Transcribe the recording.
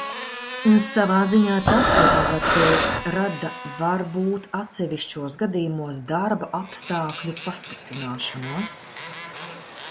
Savā ziņā tas, ja tā var teikt, rada varbūt atsevišķos gadījumos darba apstākļu pasliktināšanos.